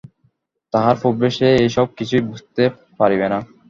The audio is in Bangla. তাহার পূর্বে সে এইসব কিছুই বুঝিতে পারিবে না।